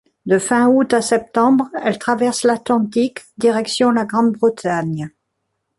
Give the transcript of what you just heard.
De fin août à septembre, elle traverse l'Atlantique, direction la Grande-Bretagne.